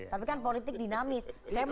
tapi kan politik dinamis